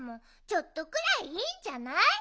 ちょっとくらいいいんじゃない？